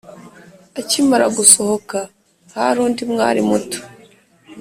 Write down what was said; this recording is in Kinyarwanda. akimara gusohoka hari undi mwali muto